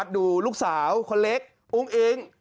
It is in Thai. ดูลูกสาวคนเล็กอุ้งอิ๊ง